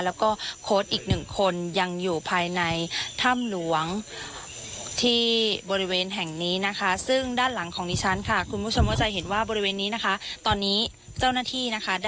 แล้วก็โค้ชอีก๑คนยังอยู่ภายในถ้ำหลวงที่บริเวณแห่งนี้นะคะ